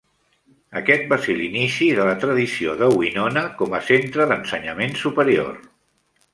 Aquest va ser l'inici de la tradició de Winona com a centre d'ensenyament superior.